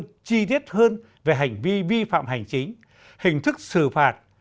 chi tiết hơn về hành vi vi phạm hành chính hình thức xử phạt